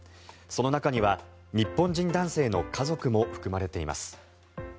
その中には日本人男性の家族も含まれています。